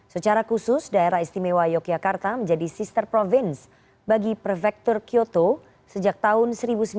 secara khusus daerah istimewa yogyakarta menjadi sister province bagi prefektur kyoto sejak tahun seribu sembilan ratus sembilan puluh